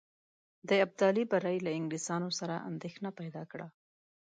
د ابدالي بری له انګلیسیانو سره اندېښنه پیدا کړه.